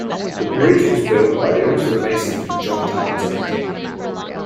The bridge was built by the Oxford mason John Townesend.